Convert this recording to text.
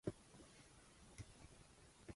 这演化为后世道教所描述神仙的基本神通。